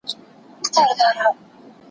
زړور خلګ له مرګ نه تښتي.